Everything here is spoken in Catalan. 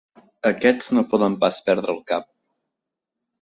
Aquests no poden pas perdre el cap.